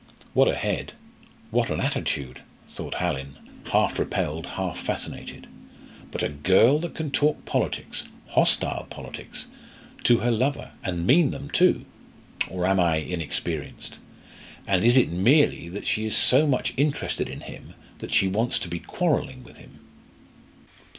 "What a head! What an attitude!" thought Hallin, half repelled, half fascinated. "But a girl that can talk politics hostile politics to her lover, and mean them too or am I inexperienced? and is it merely that she is so much interested in him that she wants to be quarrelling with him?"